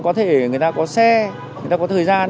có thể người ta có xe người ta có thời gian